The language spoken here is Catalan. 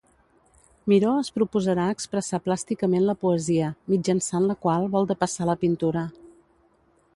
Miró es proposarà expressar plàsticament la poesia, mitjançant la qual vol depassar la pintura.